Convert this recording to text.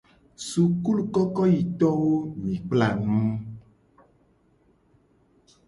Sukulukokoyitowo mi kpla nu.